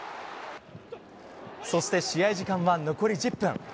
そして試合時間は残り１０分。